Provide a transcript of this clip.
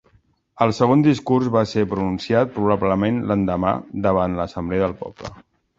El segon discurs va ser pronunciat probablement l'endemà, davant l'assemblea del poble.